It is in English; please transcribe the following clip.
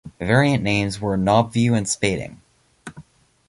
Variant names were "Knobview" and "Spading".